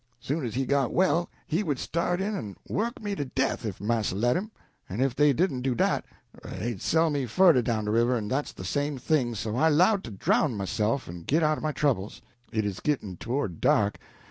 Soon as he got well he would start in en work me to death if marster let him; en if dey didn't do dat, they'd sell me furder down de river, en dat's de same thing. So I 'lowed to drown myself en git out o' my troubles. It 'uz gitt'n' towards dark.